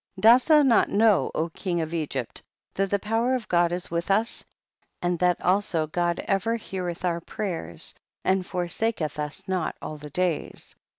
38. Dost thou not know, king of Egypt, that the power of God is with us, and that also God ever heareth our prayers and forsaketh us not all the days